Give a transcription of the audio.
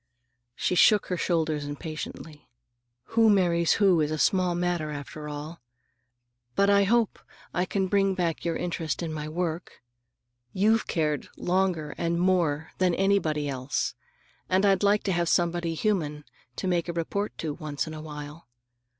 She shook her shoulders impatiently. "Who marries who is a small matter, after all. But I hope I can bring back your interest in my work. You've cared longer and more than anybody else, and I'd like to have somebody human to make a report to once in a while.